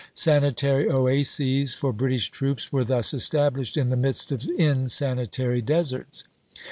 Sanitary oases for British troops were thus established in the midst of insanitary deserts.